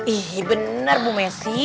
ih benar bu messi